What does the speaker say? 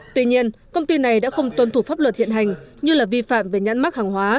tuy nhiên công ty này đã không tuân thủ pháp luật hiện hành như là vi phạm về nhãn mác hàng hóa